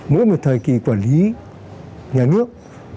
mỗi một thời kỳ quản lý nhà nước